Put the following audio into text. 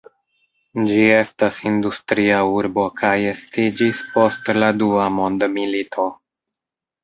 Ĝi estas industria urbo kaj estiĝis post la dua mondmilito.